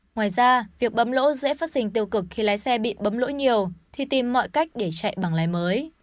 ngoài ra việc bấm lỗ dễ phát sinh tiêu cực khi lái xe bị bấm lỗi nhiều thì tìm mọi cách để chạy bằng lái mới